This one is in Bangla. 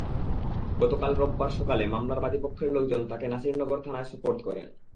গতকাল রোববার সকালে মামলার বাদীপক্ষের লোকজন তাঁকে নাসিরনগর থানায় সোপর্দ করেন।